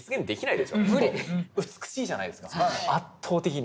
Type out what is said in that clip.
美しいじゃないですか圧倒的に。